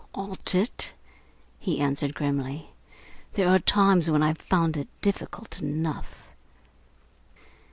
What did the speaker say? "Ought it?" he answered grimly. "There are times when I've found it difficult enough."